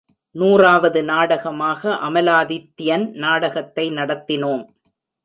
நூறாவது நாடகமாக அமலாதித்யன் நாடகத்தை நடத்தினோம்.